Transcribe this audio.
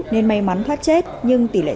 nên may mắn thoát chết nhưng tỷ lệ